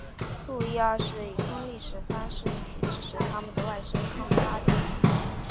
路易二世与亨利十三世一起支持他们的外甥康拉丁。